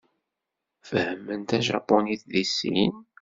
Fehhmen tajapunit deg sin?